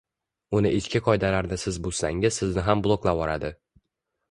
Uni ichki qoidalarini siz buzsangiz sizni ham bloklavoradi.